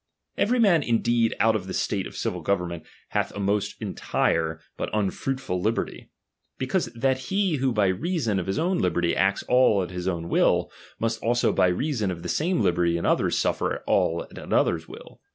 Every man indeed out of the state of civil government DOMINION. 127 hath a most eutire, but mifruitfiil liberty ; because ■ that he who by reason of his own liberty acts all at liis own will, must also by reason of the same liberty in others suffer all at another's will.